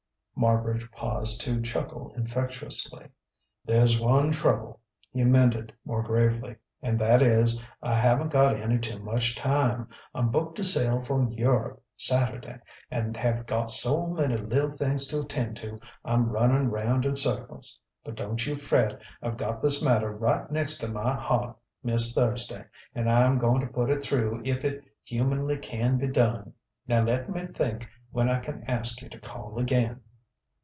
Marbridge paused to chuckle infectuously. "There's one trouble," he amended, more gravely, "and that is, I haven't got any too much time. I'm booked to sail for Europe Saturday, and have got so many little things to attend to, I'm running round in circles. But don't you fret: I've got this matter right next to my heart, Miss Thursday, and I'm going to put it through if it humanly can be done. Now let me think when I can ask you to call again."